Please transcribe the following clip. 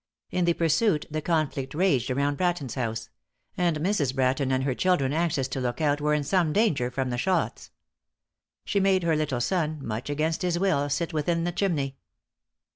In the pursuit the conflict raged around Bratton's house; and Mrs. Bratton and her children, anxious to look out, were in some danger from the shots. She made her little son, much against his will, sit within the chimney.